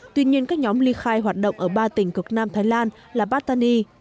tuy nhiên các nhóm ly khai hoạt động ở ba tỉnh cực nam thái lan là battany